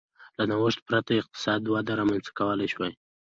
له نوښت پرته اقتصادي وده رامنځته کولای شوای